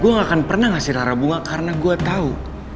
gue gak akan pernah ngasih tara bunga karena gue tahu